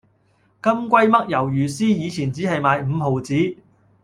金龜嘜魷魚絲以前只係買五毫子